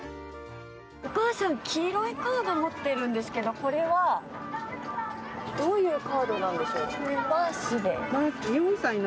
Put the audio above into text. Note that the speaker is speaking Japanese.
お母さん、黄色いカードを持ってるんですけどこれはどういうカードなんでしょう？